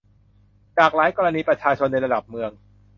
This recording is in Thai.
จากหลายกรณีประชาชนในระดับเมือง